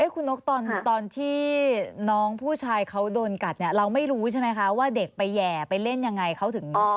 คุณนกตอนที่น้องผู้ชายเขาโดนกัดเนี่ยเราไม่รู้ใช่ไหมคะว่าเด็กไปแห่ไปเล่นยังไงเขาถึง